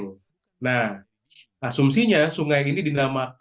nah asumsinya sungai ini adalah sungai yang berbeda dengan sungai yang ada di luar negara